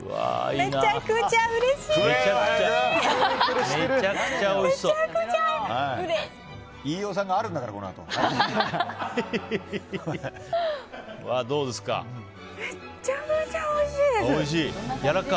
めっちゃめちゃおいしいです！